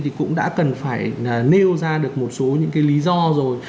thì cũng đã cần phải nêu ra được một số những cái lý do rồi